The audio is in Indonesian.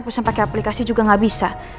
tapi pesan pakai aplikasi juga gak bisa